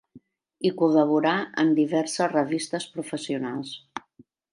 I col·laborà en diverses revistes professionals.